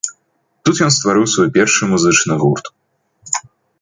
Тут ён стварыў свой першы музычны гурт.